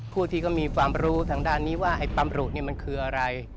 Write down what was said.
ผู้ที่เขามีความรู้ทางด้านนี้ว่าไอ้ตำรุนี่มันคืออะไร